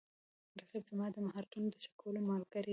رقیب زما د مهارتونو د ښه کولو ملګری دی